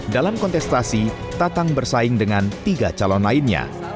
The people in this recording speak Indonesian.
dalam kontestasi tatang bersaing dengan tiga calon lainnya